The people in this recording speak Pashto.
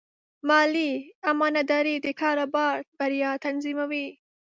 مالي امانتداري د کاروبار بریا تضمینوي.